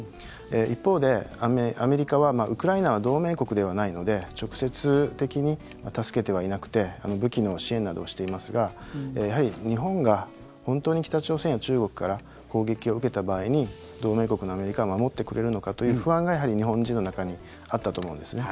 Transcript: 一方で、アメリカはウクライナは同盟国ではないので直接的に助けてはいなくて武器の支援などをしていますが日本が本当に北朝鮮や中国から攻撃を受けた場合に同盟国のアメリカは守ってくれるのかという不安が日本人の中にあったと思うんですね。